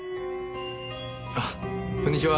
あっこんにちは。